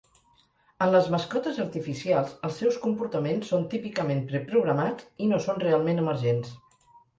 En les mascotes artificials, els seus comportaments són típicament preprogramats i no són realment emergents.